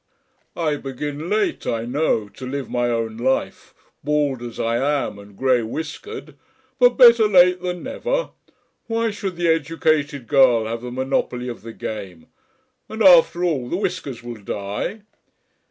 I begin late, I know, to live my own life, bald as I am and grey whiskered; but better late than never. Why should the educated girl have the monopoly of the game? And after all, the whiskers will dye....